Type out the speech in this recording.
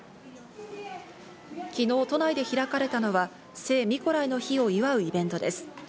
昨日、都内で開かれたのは聖ミコライの日を祝うイベントです。